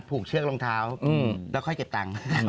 ผูกเชือกรองเท้าแล้วค่อยเก็บตังค์